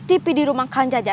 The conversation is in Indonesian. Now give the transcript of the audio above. im dang dang dalam